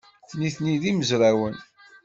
Nitni d imezrawen?